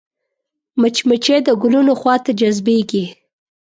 مچمچۍ د ګلونو خوا ته جذبېږي